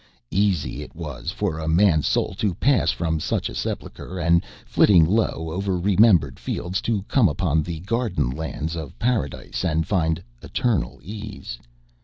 Easy it was for a man's soul to pass from such a sepulchre, and, flitting low over remembered fields, to come upon the garden lands of Paradise and find eternal ease.